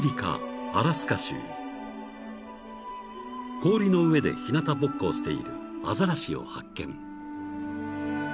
［氷の上で日なたぼっこをしているアザラシを発見］